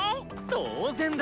当然だ！